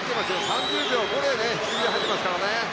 ３０秒５０で入っていますからね。